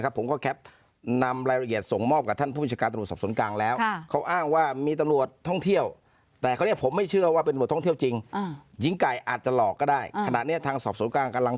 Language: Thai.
นะครับผมก็แค๊ปนามรายละเอียดส่งมอบกับท่านผู้ชายกราชตรวจสรรค์สนกลางแล้ว